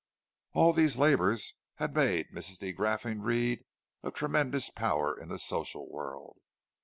All these labours had made Mrs. de Graffenried a tremendous power in the social world.